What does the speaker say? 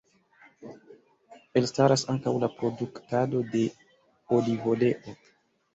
Elstaras ankaŭ la produktado de olivoleo.